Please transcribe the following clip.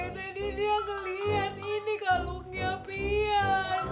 tadi dia ngeliat ini kaguknya pian